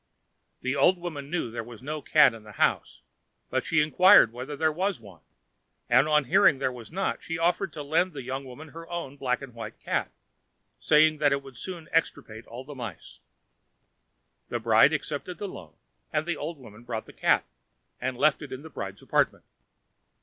The old woman knew there was no cat in the house, but she inquired whether there was one, and on hearing that there was not, she offered to lend the young woman her own black and white cat, saying that it would soon extirpate all the mice. The bride accepted the loan, and the old woman brought the cat, and left it in the bride's apartment.